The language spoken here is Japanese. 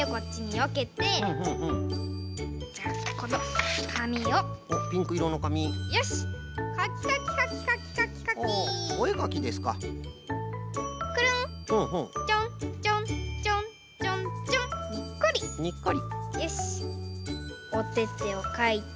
おててをかいて。